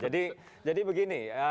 jadi jadi begini